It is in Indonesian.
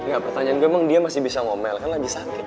gak pertanyaan gue memang dia masih bisa ngomel kan lagi sakit